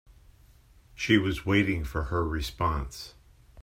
She was waiting for her response.